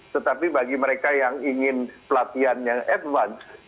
tetapi bagi mereka yang ingin pelatihan yang advance